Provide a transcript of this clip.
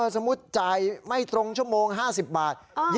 สมมุติจ่ายไม่ตรงชั่วโมง๕๐บาท